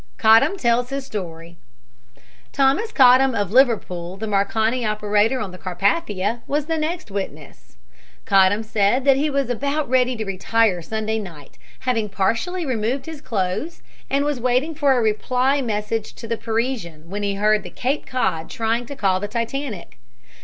COTTAM TELLS HIS STORY Thomas Cottam, of Liverpool, the Marconi operator on the Carpathia, was the next witness. Cottam said that he was about ready to retire Sunday night, having partially removed his clothes, and was waiting for a reply to a message to the Parisian when he heard Cape Cod trying to call the Titanic.